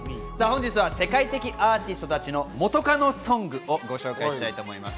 本日は世界的アーティストたちの元カノソングをご紹介したいと思います。